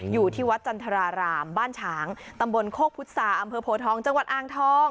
อยู่ที่วัดจันทรารามบ้านฉางตำบลโคกพุษาอำเภอโพทองจังหวัดอ่างทอง